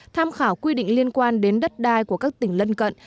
tham khảo quy định liên quan đến đất đai của các tỉnh lân cận